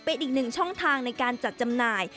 เป็นอีกหนึ่งช่องทางในการจัดจำหน่าย